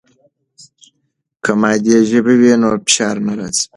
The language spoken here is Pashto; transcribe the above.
که مادي ژبه وي نو فشار نه راځي.